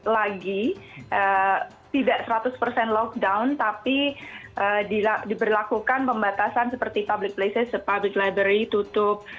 lagi tidak seratus persen lockdown tapi diberlakukan pembatasan seperti public places public libray tutup